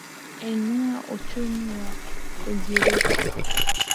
uinua uchumi wa ugiriki